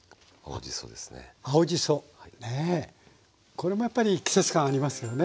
これもやっぱり季節感ありますよね。